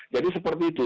jadi seperti itu